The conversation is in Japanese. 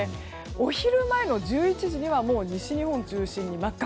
お昼前の１１時にはもう西日本中心に真っ赤。